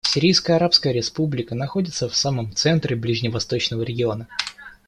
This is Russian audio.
Сирийская Арабская Республика находится в самом центре ближневосточного региона.